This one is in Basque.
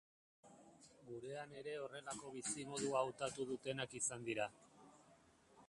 Gurean ere horrelako bizimodua hautatu dutenak izan dira.